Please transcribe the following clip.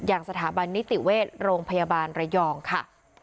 อย่างสถาบันนิติเวชโรงพยาบาลระยองค่ะ